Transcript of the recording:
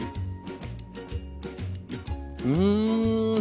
うん。